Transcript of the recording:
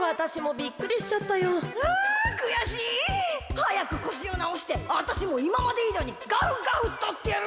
はやくこしをなおしてあたしもいままでいじょうにガフガフとってやる！